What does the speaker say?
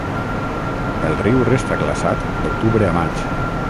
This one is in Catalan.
El riu resta glaçat d'octubre a maig.